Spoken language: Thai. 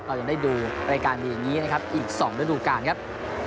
เราจะได้ดูรายการมีอย่างนี้นะครับอีก๒ด้วยดูกันครับ